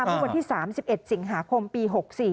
เมื่อวันที่๓๑สิงหาคมปี๖๔